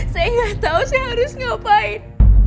saya gak tau harus ngapain